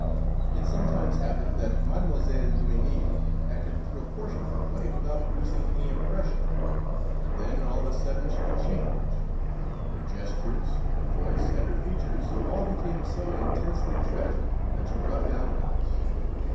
It sometimes happened that Mlle. Dumesnil acted through a portion of the play without producing any impression; then, all of a sudden, she would change; her gestures, her voice and her features all became so intensely tragic that she brought down the house.